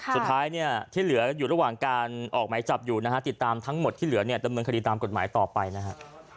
สุดท้ายเนี่ยที่เหลืออยู่ระหว่างการออกหมายจับอยู่นะฮะติดตามทั้งหมดที่เหลือเนี่ยดำเนินคดีตามกฎหมายต่อไปนะฮะ